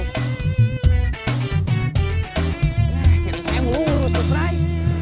ya kira kira saya melurus lho fri